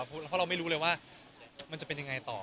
เพราะเราไม่รู้เลยว่ามันจะเป็นยังไงต่อ